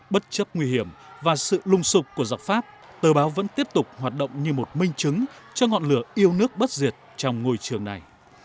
bất chấp nguy hiểm và sự lung sụp của dọc pháp tờ báo vẫn tiếp tục hoạt động như một minh chứng cho ngọn lửa yêu nước bất diệt trong ngôi trường này